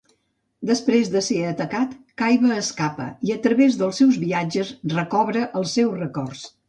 Després de ser atacat, Kaiba escapa i, a través dels seus viatges, recobra els seus records.